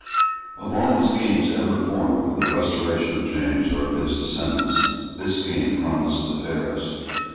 Of all the schemes ever formed for the restoration of James or of his descendants, this scheme promised the fairest.